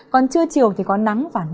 còn trưa chiều thì có nắng và nắng nắng